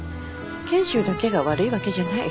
賢秀だけが悪いわけじゃない。